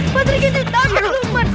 patrik itu tak lupan